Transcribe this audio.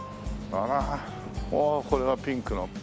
ああこれはピンクの。